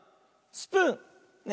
スプーン